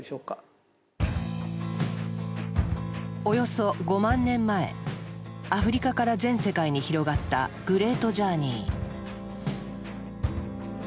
およそ５万年前アフリカから全世界に広がったグレートジャーニー。